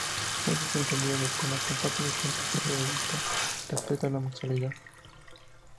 Muchos entendidos del tema comparten diferentes puntos de vista respecto a la homosexualidad.